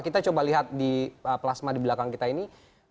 kita coba lihat di plasma di belakang kita ini